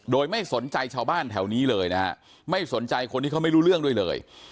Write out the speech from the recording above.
โดยไม่สนใจชาวบ้านแถวนี้เลยนะฮะไม่สนใจคนที่เขาไม่รู้เรื่องด้วยเลย